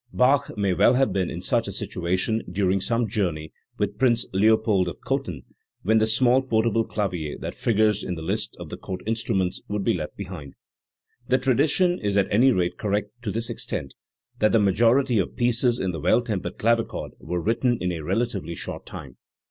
Bach may well have been in such a situation during some journey with Prince Leopold of Cothen, when the small portable clavier that figures in the list of the Court instruments would be left behind . The tradition is at any rate correct to this extent, that the majority of pieces in the Well tempered Clavichord were written in a relatively short time.